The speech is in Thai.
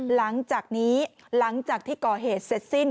หลังจากนี้หลังจากที่ก่อเหตุเสร็จสิ้น